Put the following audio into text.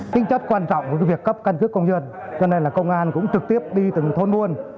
tính chất quan trọng của việc cấp căn cước công dân cho nên là công an cũng trực tiếp đi từng thôn buôn